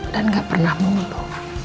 dan gak pernah munglu